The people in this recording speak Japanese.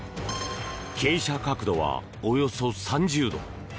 傾斜角度は、およそ３０度。